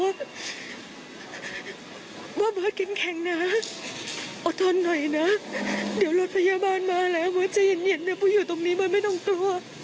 พ่อเบิร์ตเข้มแข็งนะอดทนหน่อยนะเดี๋ยวรถพยาบาลมาแล้วเบิร์ตใจเย็นเดี๋ยวกูอยู่ตรงนี้เบิร์ตไม่ต้องกลัว